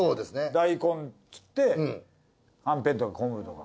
大根っつってはんぺんとか昆布とか。